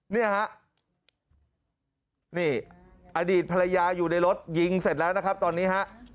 เนี่ยฮะนี่อดีตภรรยาอยู่ในรถยิงเสร็จแล้วนะครับตอนนี้ฮะ